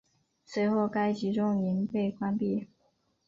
随后该集中营被关闭。